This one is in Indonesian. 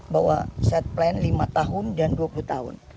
bahwa set plan lima tahun dan dua puluh tahun